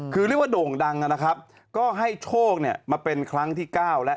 คือเรียกว่าโด่งดังนะครับก็ให้โชคเนี่ยมาเป็นครั้งที่๙แล้ว